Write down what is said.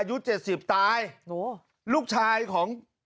ยก๗๐ตายอ๋อหลูกชายของ